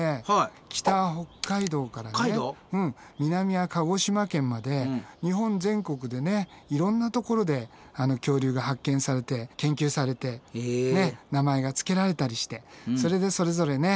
北は北海道から南は鹿児島県まで日本全国でねいろんなところで恐竜が発見されて研究されて名前がつけられたりしてそれでそれぞれね